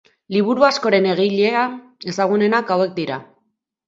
Liburu askoren egilea, ezagunenak hauek dira.